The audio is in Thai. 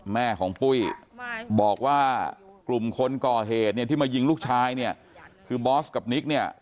แม่ของปุ้ยบอกว่ากลุ่มคนก่อเหตุที่มายิงลูกชายคือบอสกับนิ๊ก